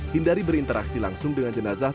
hindari berinteraksi langsung dengan jenazah